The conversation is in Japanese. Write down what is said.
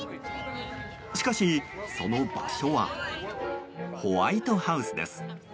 しかし、その場所はホワイトハウスです。